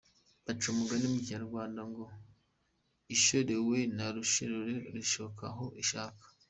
Baca umugani mu kinyarwanda ngo « ishorewe na rushorera ntishoka aho ishaka ».